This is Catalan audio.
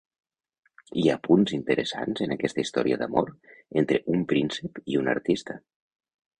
Hi ha punts interessants en aquesta història d'amor entre un príncep i una artista.